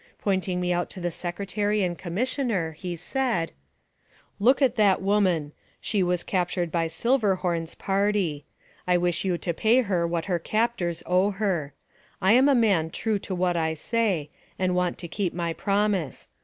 Pointing me out to the Secretary and Commissioner, he said :" Look at that woman ; she was captured by Silver Horn's party. I wish you to pay her what her captors owe her. I am a man true to what I say, and want to keep my promise.